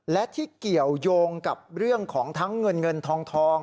และที่เกี่ยวยงกับเรื่องของทั้งเงินเงินทอง